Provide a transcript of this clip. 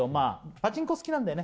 パチンコ好きなんだよね？